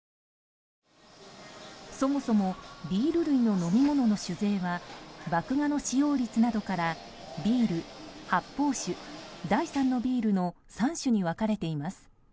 そもそもビール類の飲み物の酒税は麦芽の使用率などからビール、発泡酒、第三のビールの３種に分かれています。